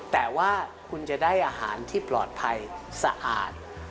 แต่ว่าคุณจะได้อาหารที่ปลอดภัยสะอาด